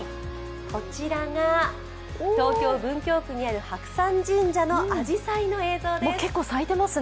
こちらが東京・文京区にある白山神社のあじさいの映像です。